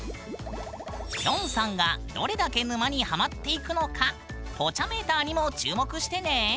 きょんさんがどれだけ沼にハマっていくのか「ポチャメーター」にも注目してね！